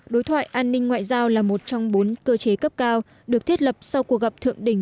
đối thoại an ninh ngoại giao là một trong bốn cơ chế cấp cao được thiết lập sau cuộc gặp thượng đỉnh